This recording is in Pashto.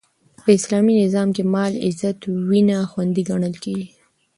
په اسلامي نظام کښي مال، عزت او وینه خوندي ګڼل کیږي.